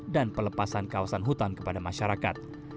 dan pelepasan kawasan hutan kepada masyarakat